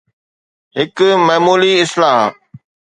هڪ معمولي اصلاح